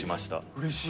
うれしい。